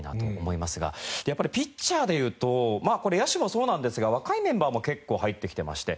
やっぱりピッチャーでいうとまあこれ野手もそうなんですが若いメンバーも結構入ってきてまして。